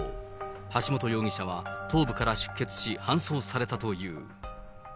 橋本容疑者は頭部から出血し、搬送されたという。